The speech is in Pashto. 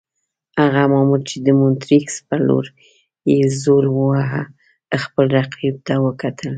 هغه مامور چې د مونټریکس پر لور یې زور وو، خپل رقیب ته وکتل.